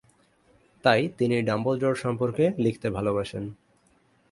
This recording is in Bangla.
তাই তিনি ডাম্বলডোর সম্পর্কে লিখতে ভালবাসেন।